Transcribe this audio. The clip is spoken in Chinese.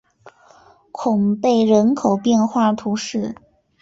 孔贝人口变化图示